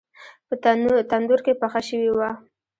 په تندور کې پخه شوې وه.